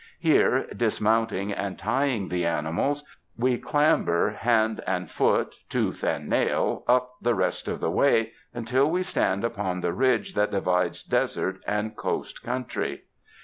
Here dismounting and tying the animals, we clam ber, hand and foot, tooth and nail, up the rest of the way until we stand upon the ridge that divides desert and coast country.